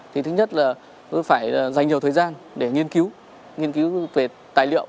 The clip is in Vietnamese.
đồng chí đã gặp phải dành nhiều thời gian để nghiên cứu